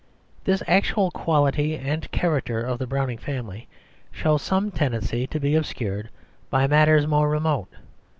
This actual quality and character of the Browning family shows some tendency to be obscured by matters more remote.